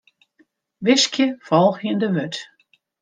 Wiskje folgjende wurd.